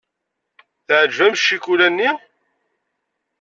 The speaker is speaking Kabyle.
Teɛjeb-am ccikula-nni.